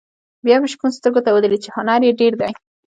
بیا مې شپون سترګو ته ودرېد چې هنر یې ډېر دی.